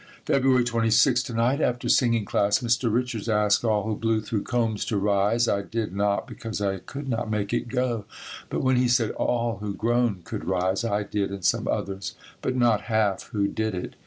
February 26. To night, after singing class, Mr. Richards asked all who blew through combs to rise. I did not, because I could not make it go, but when he said all who groaned could rise, I did, and some others, but not half who did it.